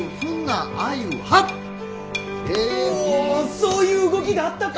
そういう動きであったか！